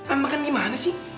ambekan gimana sih